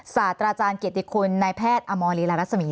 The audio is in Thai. ศาสตราจารย์เกียรติคุณนายแพทย์อมรลีลารัศมี